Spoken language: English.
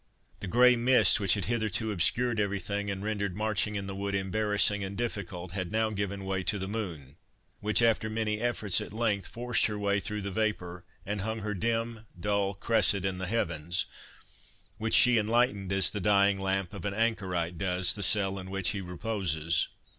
The grey mist, which had hitherto obscured everything, and rendered marching in the wood embarrassing and difficult, had now given way to the moon, which, after many efforts, at length forced her way through the vapour, and hung her dim dull cresset in the heavens, which she enlightened, as the dying lamp of an anchorite does the cell in which he reposes.